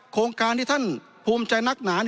โครงการที่ท่านภูมิใจนักหนา